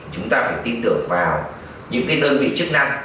chúng ta phải tin tưởng vào những đơn vị chức năng